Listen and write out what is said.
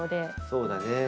そうだね。